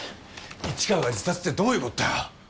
市川が自殺ってどういう事だよ！？